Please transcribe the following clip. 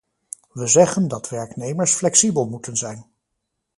We zeggen dat werknemers flexibel moeten zijn.